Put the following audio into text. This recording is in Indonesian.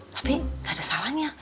tapi gak ada salahnya